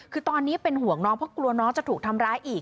คือตอนนี้เป็นห่วงน้องเพราะกลัวน้องจะถูกทำร้ายอีก